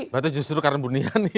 berarti justru karena buniani